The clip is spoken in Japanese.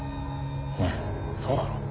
ねえそうだろ？